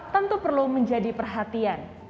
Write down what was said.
tentu perlu menjadi perhatian